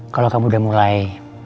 kalau kamu udah mulai